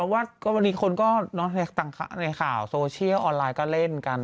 วันนี้คนก็น้องแท็กต่างในข่าวโซเชียลออนไลน์ก็เล่นกัน